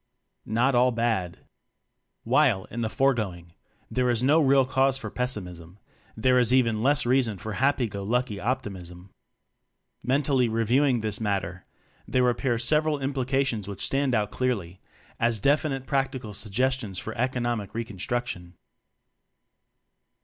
Not All Bad. While, in the foregoing, there is no real cause for pessimism, there is even less reason for happy go lucky optim ism. Mentally reviewing this matter, there appear several implications which stand out clearly as definite practical suggestions for economic re construction.